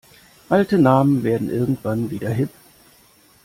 Alte Namen werden irgendwann wieder hip.